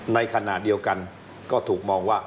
ในขณะเดียวกันก็ถูกมองว่า